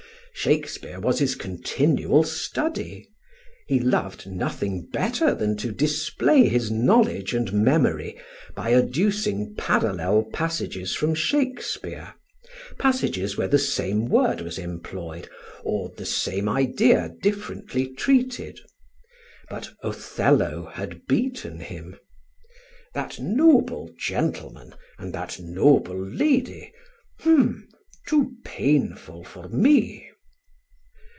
Shakespeare was his continual study. He loved nothing better than to display his knowledge and memory by adducing parallel passages from Shakespeare, passages where the same word was employed, or the same idea differently treated. But Othello had beaten him. "That noble gentleman and that noble lady h'm too painful for me."